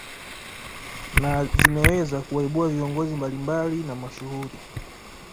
Na zimeweza kuwaibua viongozi mablimbali na mashuhuri